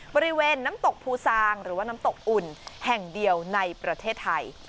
บริเวณน้ำตกภูซางหรือว่าน้ำตกอุ่นแห่งเดียวในประเทศไทย